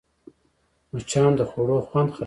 مچان د خوړو خوند خرابوي